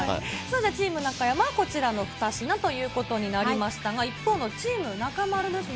じゃあ、チーム中山はこちらの２品ということになりましたが、一方のチーム中丸ですね。